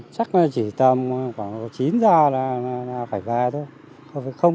chắc là chỉ tầm khoảng chín giờ là phải về thôi